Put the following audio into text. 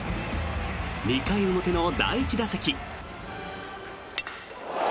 ２回表の第１打席。